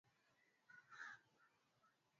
Mamlaka ya Udhibiti wa Huduma za Nishati na Maji